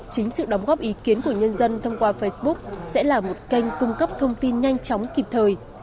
chính sự đóng góp ý kiến của nhân dân thông qua facebook sẽ là một kênh cung cấp thông tin nhanh chóng kịp thời